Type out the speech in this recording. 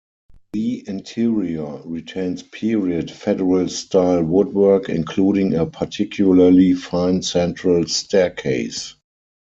The interior retains period Federal style woodwork, including a particularly fine central staircase.